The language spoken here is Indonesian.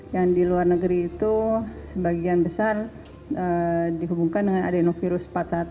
yang di luar negeri itu sebagian besar dihubungkan dengan adenovirus empat puluh satu